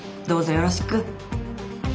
どうぞよろしく。